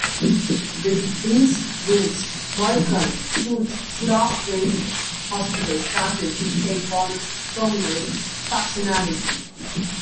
With these routes, Markham-Stouffville Hospital started to take on its terminal functionality.